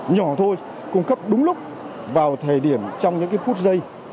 nhỏ thôi cung cấp đúng lúc vào thời điểm trong những phút giây